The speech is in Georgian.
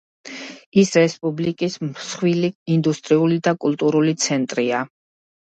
ის რესპუბლიკის მსხვილი ინდუსტრიული და კულტურული ცენტრია.